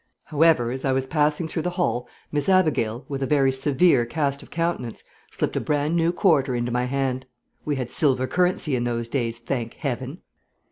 However, as I was passing through the hall, Miss Abigail, with a very severe cast of countenance, slipped a brand new quarter into my hand. We had silver currency in those days, thank Heaven!